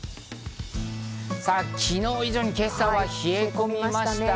昨日以上に今朝は冷え込みました。